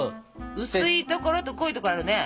薄いところと濃いところがあるね。